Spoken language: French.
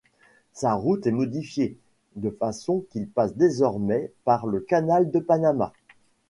Sa route est modifiée, de façon qu'il passe désormais par le canal de Panama.